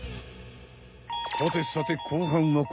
さてさて後半はこちら。